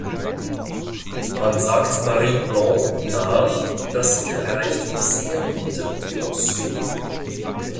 Man sagt Marie Blanc nach, dass sie den Reichtum sehr liebte und genoss.